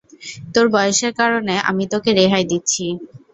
তোর বয়সের কারণে আমি তোকে রেহাই দিচ্ছি।